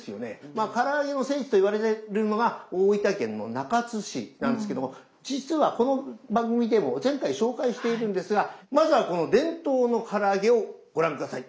まあから揚げの聖地と言われてるのが大分県の中津市なんですけども実はこの番組でも前回紹介しているんですがまずはこの伝統のから揚げをご覧下さい。